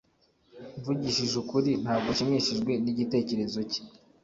Mvugishije ukuri ntabwo nshimishijwe nigitekerezo cye